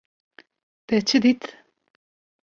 Te çi dît?